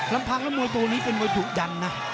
ลำพังแล้วมวยตัวนี้เป็นมวยถูกยันนะ